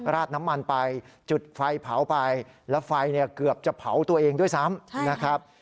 ราดน้ำมันไปจุดไฟเผาไปแล้วไฟเนี่ยเกือบจะเผาตัวเองด้วยซ้ำนะครับ